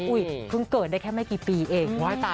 เพิ่งเกิดได้แค่ไม่กี่ปีเอง